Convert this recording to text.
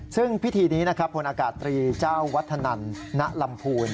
ซึ่งพิธีนี้นะครับพลอากาศตรีเจ้าวัฒนันณลำพูน